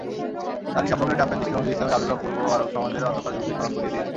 নারী সম্পর্কে ট্রাম্পের দৃষ্টিভঙ্গি ইসলামের আবির্ভাব-পূর্ব আরব সমাজের অন্ধকার যুগকে স্মরণ করিয়ে দিয়েছে।